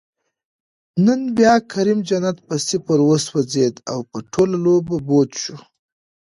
نن بیا کریم جنت په صفر وسوځید، او په ټوله لوبډله بوج شو